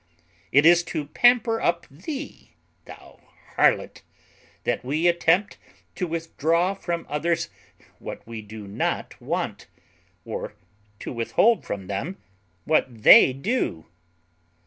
It is to pamper up thee, thou harlot, that we attempt to withdraw from others what we do not want, or to withhold from them what they do.